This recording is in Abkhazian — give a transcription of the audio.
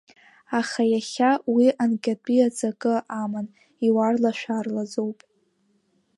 Аха иахьа уи анкьатәи аҵакы амам, иуарла-шәарлаӡоуп.